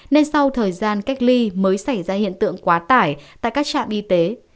nên sau thời gian cách ly mới xảy ra hiện tượng quá tải tại các trạm y tế